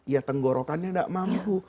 ya tenggorokannya tidak mampu